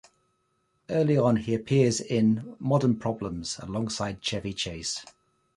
Early on, he appeared in "Modern Problems" alongside Chevy Chase.